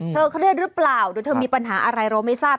เธอเครื่องเลือดหรือเปล่าหรือเธอมีปัญหาอะไรเราไม่ทราบ